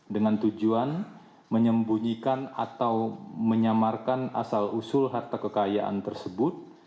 dengan tujuan menyembunyikan atau menyamarkan asal usul harta kekayaan tersebut